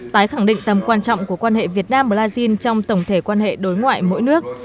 tái khẳng định tầm quan trọng của quan hệ việt nam brazil trong tổng thể quan hệ đối ngoại mỗi nước